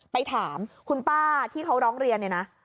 ไปถามคุณป้าที่เขาร้องเรียน